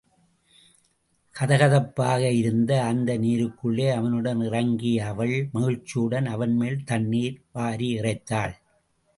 கதகதப்பாக இருந்த அந்த நீருக்குள்ளே அவனுடன் இறங்கிய அவள், மகிழ்ச்சியுடன் அவன்மேல் தண்ணீரை வாரியிறைத்தாள்.